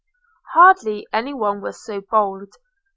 Hardly any one was so bold.